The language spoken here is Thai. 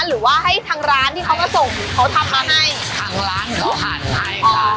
หรือว่าให้ทางร้านที่เขาก็ส่งเขาทำมาให้ทางร้านเขาหั่นให้ค่ะ